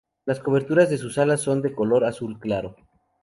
Las coberteras de sus alas son de color azul claro.